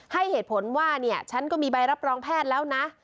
ให้เหตุผลว่าเนี่ยฉันก็มีใบรับรองแพทย์แล้วนะ